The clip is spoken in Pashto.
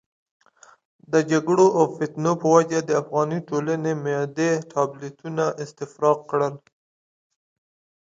د جګړو او فتنو په وجه د افغاني ټولنې معدې ټابلیتونه استفراق کړل.